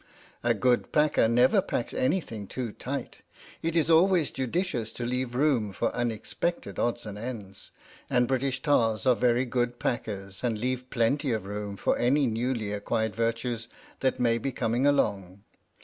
A good packer never packs anything too tight ; it is always judicious to leave room for unexpected odds and ends, and British Tars are very good packers and leave plenty of room for any newly acquired virtues that may be coming along.